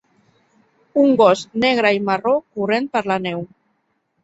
Un gos negre i marró corrent per la neu.